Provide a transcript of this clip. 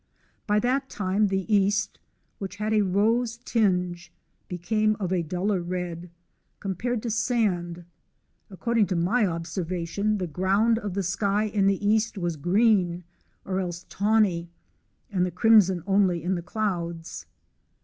By that time the east, which had a rose tinge, became of a duller red, compared to sand : according to my observ ation, the ground of the sky in the east was green or else tawny, and the crimson only in the clouds.